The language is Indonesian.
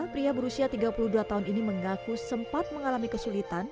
pria berusia tiga puluh dua tahun ini mengaku sempat mengalami kesulitan